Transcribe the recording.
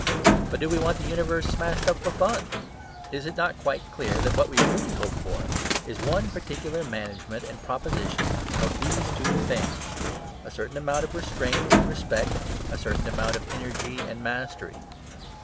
But do we want the universe smashed up for fun? Is it not quite clear that what we really hope for is one particular management and proposition of these two things; a certain amount of restraint and respect, a certain amount of energy and mastery?